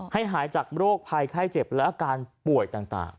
หายจากโรคภัยไข้เจ็บและอาการป่วยต่าง